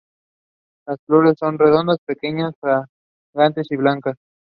It is endemic to the waters off New Caledonia in the Western Pacific Ocean.